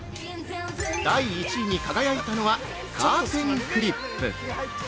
◆第１位に輝いたのはカーテンクリップ。